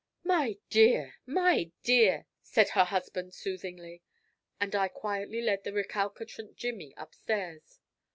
"My dear! My dear!" said her husband soothingly, and I quietly led the recalcitrant Jimmy upstairs.